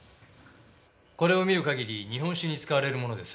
これを見る限り日本酒に使われるものです。